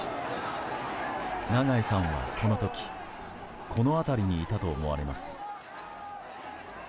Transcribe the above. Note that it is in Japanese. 長井さんは、この時この辺りにいたと思われます。